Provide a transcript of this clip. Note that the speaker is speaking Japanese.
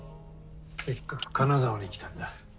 せっかく金沢に来たんだ。